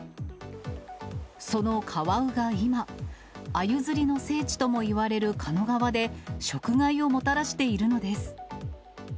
そのカワウが今、アユ釣りの聖地ともいわれる狩野川で、食害をもたらしているのです。